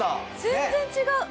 全然違う。